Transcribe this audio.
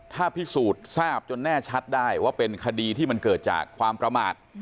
ถ้าพิสูจน์ทราบจนแน่ชัดได้ว่าเป็นคดีที่มันเกิดจากความประมาท